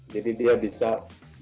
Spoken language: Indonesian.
jadi dia bisa bisa apa